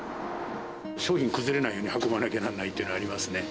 商品崩れないように運ばなきゃなんないっていうのはありますね。